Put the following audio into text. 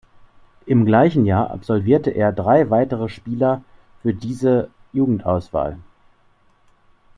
Im gleichen Jahr absolvierte er drei weitere Spieler für diese Jugendauswahl.